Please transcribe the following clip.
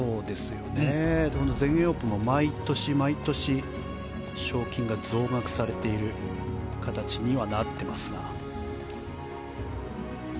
全英オープンも毎年、毎年賞金が増額されている形にはなっています。